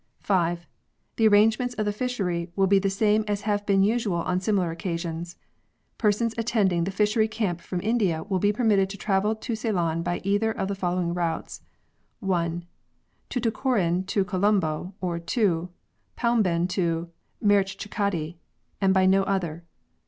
" 5. The arrangements of the fishery will be the same as have been usual on similar occasions. Persons attending the Fishery Camp from India will be permitted to travel to Ceylon by either of the following routes: (1) Tuticorin to Colombo or (2) Paumben to Marichchikkaddi and by no other.